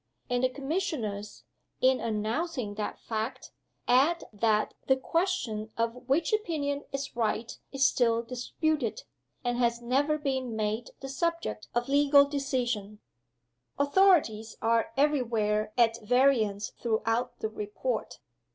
And the Commissioners, in announcing that fact, add that the question of which opinion is right is still disputed, and has never been made the subject of legal decision. Authorities are every where at variance throughout the Report.